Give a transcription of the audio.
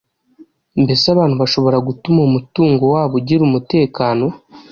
Mbese abantu bashobora gutuma umutungo wabo ugira umutekano?